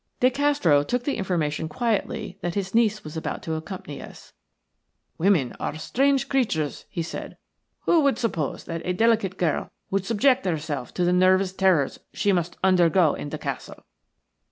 De Castro took the information quietly that his niece was about to accompany us. "Women are strange creatures," he said. "Who would suppose that a delicate girl would subject herself to the nervous terrors she must undergo in the castle?